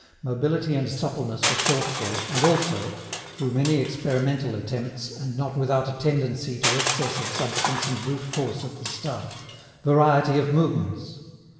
Mobility and suppleness were sought for, and also through many experimental attempts, and not without a tendency to excess of substance and brute force at the start variety of movements.